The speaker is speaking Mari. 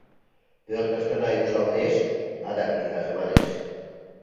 Пӧртыштына ӱпшалтеш?» Адак изаже манеш.